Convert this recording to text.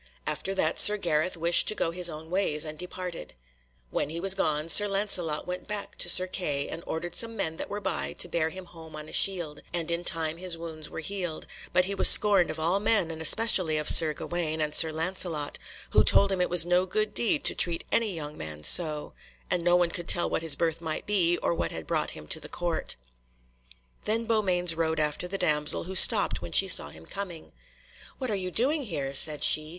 After that Sir Gareth wished to go his own ways, and departed. When he was gone, Sir Lancelot went back to Sir Kay and ordered some men that were by to bear him home on a shield, and in time his wounds were healed; but he was scorned of all men, and especially of Sir Gawaine and Sir Lancelot, who told him it was no good deed to treat any young man so, and no one could tell what his birth might be, or what had brought him to the Court. [Illustration: Faugh Sir! You Smell of Y^e Kitchen / Gareth & Linet] Then Beaumains rode after the damsel, who stopped when she saw him coming. "What are you doing here?" said she.